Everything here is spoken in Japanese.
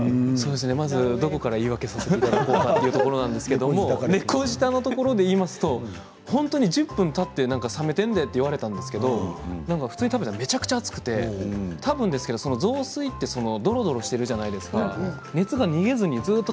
まず、どこから言い訳させてもらおうかということですけれども猫舌というところでいうと本当に１０分たって冷めてんで、と言われたんですけど普通に食べたらめちゃくちゃ熱くてたぶん雑炊ってどろどろしているじゃないですか